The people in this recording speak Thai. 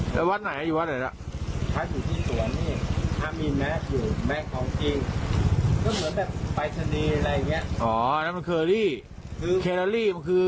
แล้วจับไปรอไม่สึกหรือ